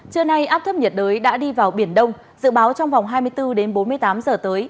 trưa nay áp thấp nhiệt đới đã đi vào biển đông dự báo trong vòng hai mươi bốn đến bốn mươi tám giờ tới